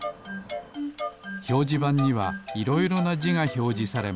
ひょうじばんにはいろいろなじがひょうじされます。